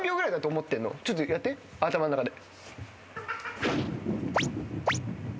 ちょっとやって頭の中で。